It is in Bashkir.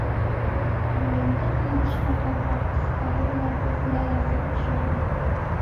Райондың үҙешмәкәр артистары менән Өфөлә лә сығыш яһай.